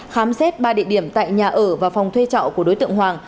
khám xét ba địa điểm tại nhà ở và phòng thuê trọ của đối tượng hoàng